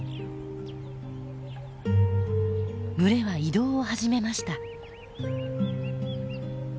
群れは移動を始めました。